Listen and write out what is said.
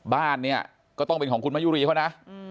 บ้านเนี่ยก็ต้องเป็นของคุณมะยุรีเขานะ